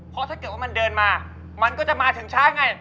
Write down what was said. เพราะถ้าเกิดว่ามันเดินมามันก็จะมาถึงช้าไง